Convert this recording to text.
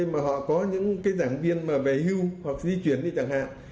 mà họ có những cái giảng viên mà về hưu hoặc di chuyển đi chẳng hạn